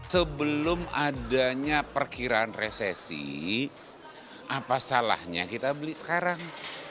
sebelum adanya perkiraan resesi apa salahnya kita beli sekarang